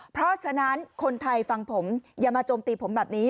เพราะฉะนั้นคนไทยฟังผมอย่ามาโจมตีผมแบบนี้